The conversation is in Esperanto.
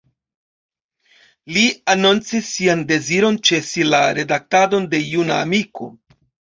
Li anoncis sian deziron ĉesi la redaktadon de Juna Amiko.